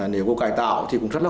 nếu có cài tạo